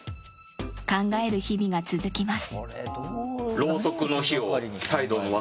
考える日々が続きます。